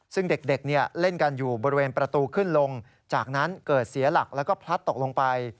ซึ่งเด็กเล่นกันอยู่บริเวณประตูขึ้นลงจากนั้นเกิดเสียหลักแล้วก็พลัดตกลงไป